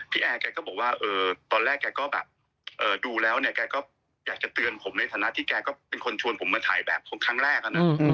แอร์แกก็บอกว่าตอนแรกแกก็แบบดูแล้วเนี่ยแกก็อยากจะเตือนผมในฐานะที่แกก็เป็นคนชวนผมมาถ่ายแบบครั้งแรกอะนะ